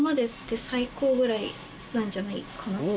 ぐらいなんじゃないかなって。